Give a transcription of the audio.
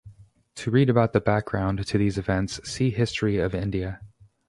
To read about the background to these events, see History of India.